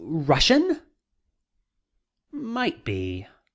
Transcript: Russian?" "Might be."